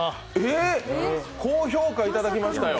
高評価いただきましたよ。